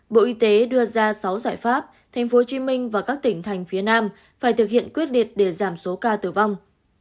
bộ y tế đưa ra sáu giải pháp tp hcm và các tỉnh thành phía nam phải thực hiện quyết liệt để giảm số ca tử vong